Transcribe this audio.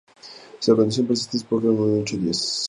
Si la condición persiste, Spock morirá en ocho días.